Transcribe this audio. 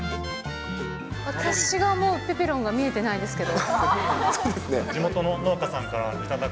私が思うペペロンが見えてないですけど。